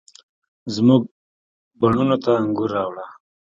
زموږ بڼوڼو ته انګور، راوړه،